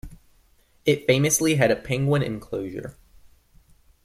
It famously had a penguin enclosure.